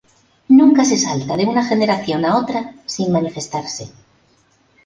Nunca se salta de una generación a otra, sin manifestarse.